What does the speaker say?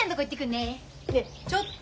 ねえちょっと！